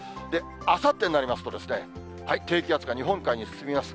あさってになりますと、低気圧が日本海に進みます。